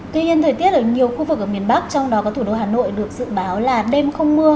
tuy nhiên thời tiết ở nhiều khu vực ở miền bắc trong đó có thủ đô hà nội được dự báo là đêm không mưa